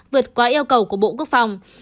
vượt qua yêu cầu của bộ quốc phòng